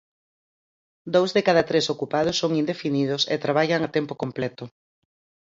Dous de cada tres ocupados son indefinidos e traballan a tempo completo.